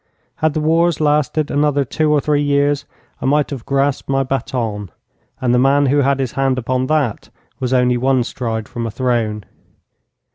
Had the wars lasted another two or three years I might have grasped my bâton, and the man who had his hand upon that was only one stride from a throne.